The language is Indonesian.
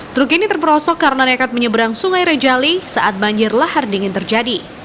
truk ini terperosok karena nekat menyeberang sungai rejali saat banjir lahar dingin terjadi